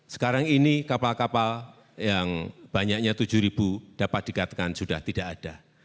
sekarang ini kapal kapal yang banyaknya tujuh ribu dapat dikatakan sudah tidak ada